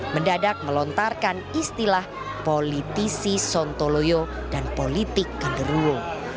mendadak melontarkan istilah politisi sontoloyo dan politik kanderuo